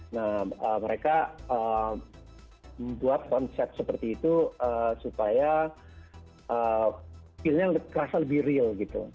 nah mereka buat konsep seperti itu supaya filmnya terasa lebih real gitu